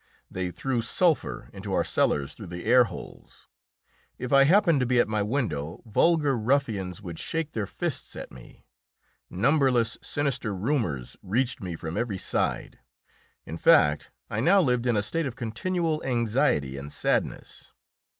They threw sulphur into our cellars through the airholes. If I happened to be at my window, vulgar ruffians would shake their fists at me. Numberless sinister rumours reached me from every side; in fact, I now lived in a state of continual anxiety and sadness.